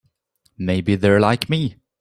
Maybe they're like me.